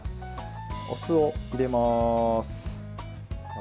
お酢を入れます。